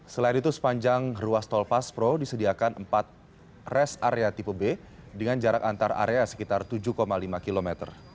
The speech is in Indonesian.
selain itu sepanjang ruas tol paspro disediakan empat rest area tipe b dengan jarak antar area sekitar tujuh lima km